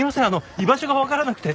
居場所がわからなくて。